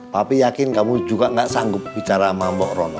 papi yakin kamu juga enggak sanggup bicara sama mbak rono